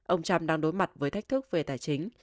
ông trump đang đối mặt với thách thức về tài chính